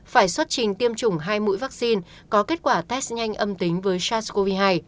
phải xuất trình tiêm chủng hai mũi vaccine có kết quả test nhanh âm tính với sars cov hai